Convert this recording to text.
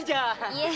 いえ。